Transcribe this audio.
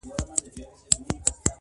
له کلونو دغه آش دغه کاسه وه.!